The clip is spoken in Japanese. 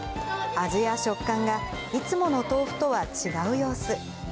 味や食感がいつもの豆腐とは違う様子。